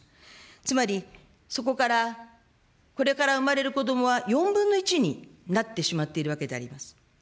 つまり、そこから、これから産まれる子どもは４分の１になってしまっているわけであります。